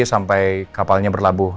sampai kapalnya berlabuh